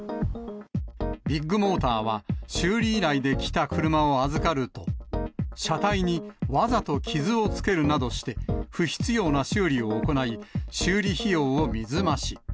ビッグモーターは、修理依頼できた車を預かると、車体にわざと傷をつけるなどして、不必要な修理を行い、修理費用を水増し。